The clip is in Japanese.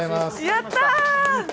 やったー！